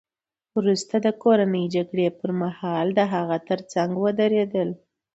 وروسته د کورنۍ جګړې پرمهال د هغه ترڅنګ ودرېدل